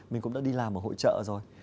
mình cũng đã đi làm ở hội trợ rồi